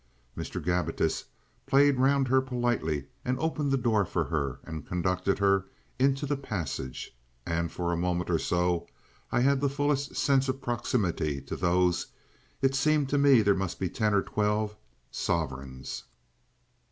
Mr. Gabbitas played round her politely, and opened the door for her and conducted her into the passage, and for a moment or so I had the fullest sense of proximity to those—it seemed to me there must be ten or twelve—sovereigns.